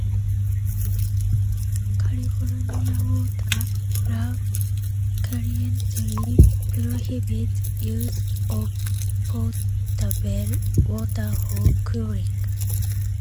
California water law currently prohibits use of potable water for cooling.